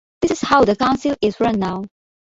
This is how the council is run now.